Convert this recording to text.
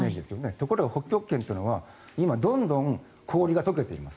ところが北極圏というのは今、どんどん氷が解けているんです。